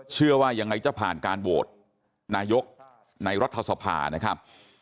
เชื่อว่ายังไงจะผ่านการโหวตนายกในรัฐสภานะครับ